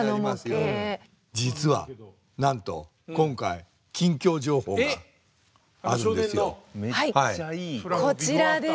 実はなんと今回近況情報があるんですよ。